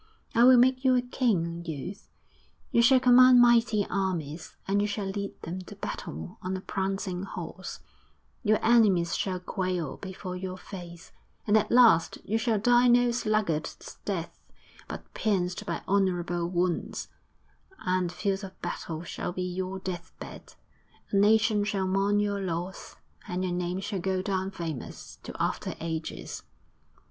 I will make you a king, youth; you shall command mighty armies, and you shall lead them to battle on a prancing horse; your enemies shall quail before your face, and at last you shall die no sluggard's death, but pierced by honourable wounds, and the field of battle shall be your deathbed; a nation shall mourn your loss, and your name shall go down famous to after ages.'